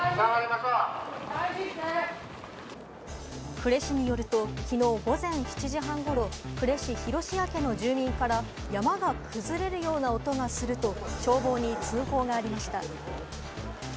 呉市によると昨日午前７時半頃、呉市広塩焼の住民から山が崩れるような音がすると消防に通報がありました。